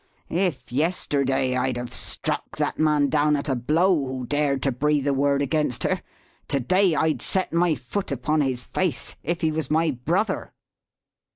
If, yesterday, I'd have struck that man down at a blow, who dared to breathe a word against her; to day I'd set my foot upon his face, if he was my brother!"